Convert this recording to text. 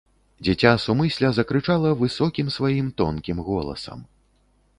Дзіця сумысля закрычала высокім сваім тонкім голасам.